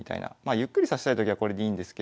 ゆっくり指したいときはこれでいいんですけど。